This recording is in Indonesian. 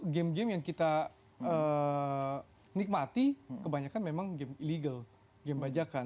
game game yang kita nikmati kebanyakan memang game illegal game bajakan